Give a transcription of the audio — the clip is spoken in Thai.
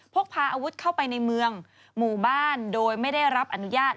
พกพาอาวุธเข้าไปในเมืองหมู่บ้านโดยไม่ได้รับอนุญาต